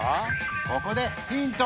ここでヒント！